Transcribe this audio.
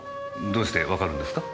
どうしてわかるんですか？